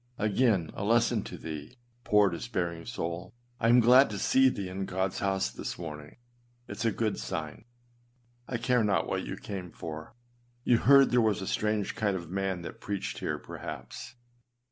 Again, a lesson to thee, poor despairing souk I am glad to see thee in Godâs house this morning; it is a good sign. I care not what you came for. You heard there was a strange kind of man that preached here, perhaps.